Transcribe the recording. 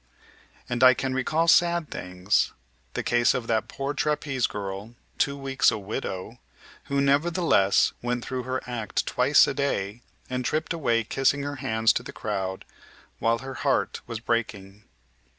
And I can recall sad things, the case of that poor trapeze girl, two weeks a widow, who nevertheless went through her act twice a day and tripped away kissing her hands to the crowd while her heart was breaking.